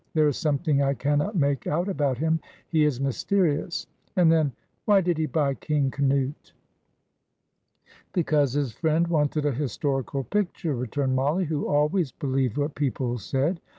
There is something I cannot make out about him. He is mysterious. And then, why did he buy 'King Canute'?" "Because his friend wanted a historical picture," returned Mollie, who always believed what people said.